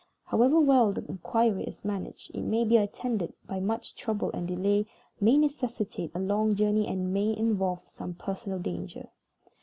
However well the inquiry is managed, it may be attended by much trouble and delay, may necessitate a long journey, and may involve some personal danger.